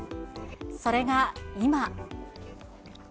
それが今。